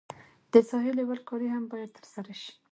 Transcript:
د ساحې لیول کاري هم باید ترسره شي